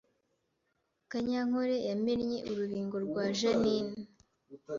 Kanyankore yamennye urubingo rwa Jeaninne